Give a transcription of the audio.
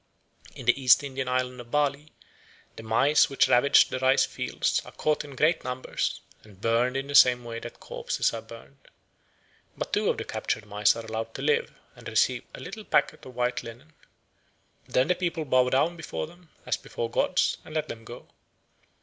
In the East Indian island of Bali, the mice which ravage the rice fields are caught in great numbers, and burned in the same way that corpses are burned. But two of the captured mice are allowed to live, and receive a little packet of white linen. Then the people bow down before them, as before gods, and let them go.